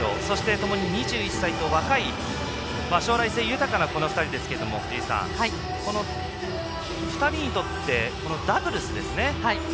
そして、ともに２１歳と若い将来性豊かなこの２人ですがこの２人にとってダブルスですね。